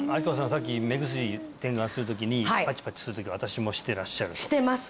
さっき目薬点眼する時にパチパチする時私もしてらっしゃるしてます